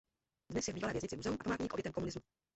Dnes je v bývalé věznici muzeum a památník obětem komunismu.